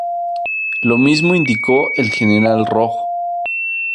Lo mismo indicó el general Rojo.